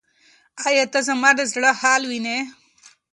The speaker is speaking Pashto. ایا ته زما د زړه حال وینې؟